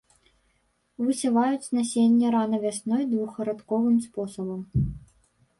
Высяваюць насенне рана вясной двухрадковым спосабам.